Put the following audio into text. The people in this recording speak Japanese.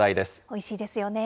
おいしいですよね。